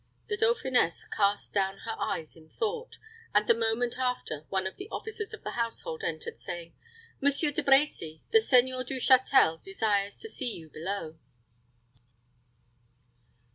The dauphiness cast down her eyes in thought, and the moment after one of the officers of the household entered, saying, "Monsieur De Brecy, the Seigneur du Châtel desires to see you below."